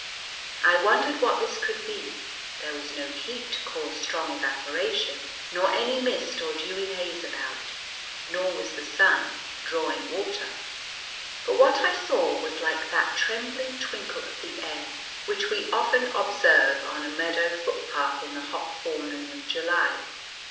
I wondered what this could be; there was no heat to cause strong evaporation, nor any mist or dewy haze about, nor was the sun "drawing water." But what I saw was like that trembling twinkle of the air, which we often observe on a meadow footpath in the hot forenoon of July.